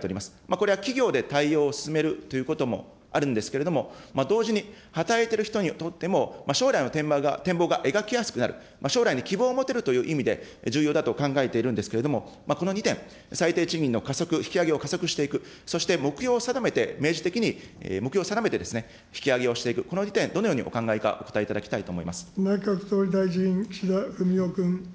これは企業で対応を進めるということもあるんですけれども、同時に働いている人にとっても、将来の展望が描きやすくなる、将来に希望を持てるという意味で、重要だと考えているんですけれども、この２点、最低賃金の加速、引き上げを加速していく、そして目標を定めて、的に目標を定めて引き上げをしていく、この２点、どのようにお考えか、お答えいただ内閣総理大臣、岸田文雄君。